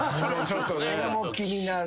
それも気になる。